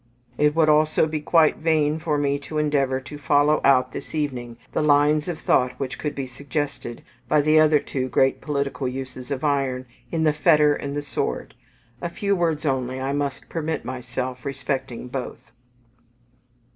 It would also be quite vain for me to endeavour to follow out this evening the lines of thought which would be suggested by the other two great political uses of iron in the Fetter and the Sword: a few words only I must permit myself respecting both.